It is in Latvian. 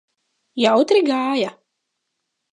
Jautri gāja?